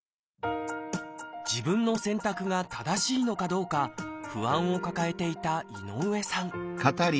自分の選択が正しいのかどうか不安を抱えていた井上さん